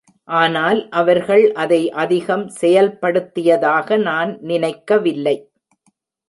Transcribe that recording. ஆனால் அவர்கள் அதை அதிகம் செயல்படுத்தியதாக நான் நினைக்கவில்லை.